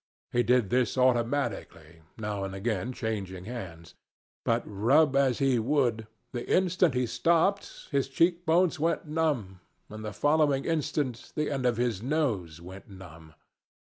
He did this automatically, now and again changing hands. But rub as he would, the instant he stopped his cheek bones went numb, and the following instant the end of his nose went numb.